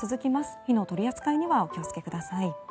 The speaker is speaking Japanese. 火の取り扱いにはお気をつけください。